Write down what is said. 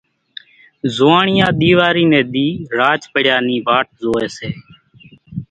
زوئاڻيا ۮيواري ني ۮي راچ پڙيا نِي واٽ زوئي سي